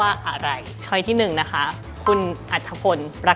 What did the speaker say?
โอเคจะตั้งใจครับ